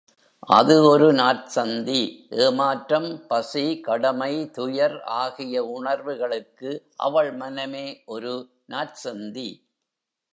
அது ஒரு நாற்சந்தி, ஏமாற்றம், பசி, கடமை, துயர் ஆகிய உணர்வுகளுக்கு அவள் மனமே ஒரு நாற்சந்தி.